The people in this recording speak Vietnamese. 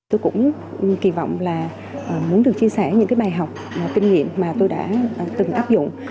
tôi cũng kỳ vọng là muốn được chia sẻ những bài học kinh nghiệm mà tôi đã từng áp dụng